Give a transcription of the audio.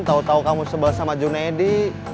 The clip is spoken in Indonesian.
tau tau kamu sebel sama junaidi